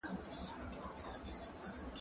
ايا ښځه کولای سي له خپل مال څخه صدقه ورکړي؟